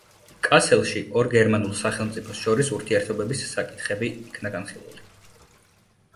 კასელში ორ გერმანულ სახელმწიფოს შორის ურთიერთობების საკითხები იქნა განხილული.